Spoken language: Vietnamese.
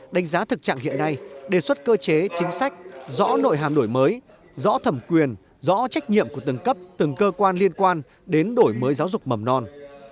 đánh giá thực trạng hiện nay đề xuất cơ chế chính sách rõ nội hàm đổi mới rõ thẩm quyền rõ trách nhiệm của từng cấp từng cơ quan liên quan đến đổi mới giáo dục mầm non